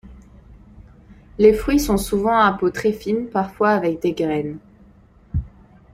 Les fruits sont souvent à peau très fine, parfois avec des graines.